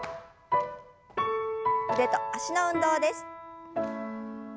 腕と脚の運動です。